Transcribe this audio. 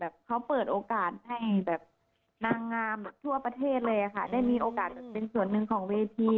เขาเปิดโอกาสให้แบบนางงามทั่วประเทศเลยค่ะได้มีโอกาสแบบเป็นส่วนหนึ่งของเวที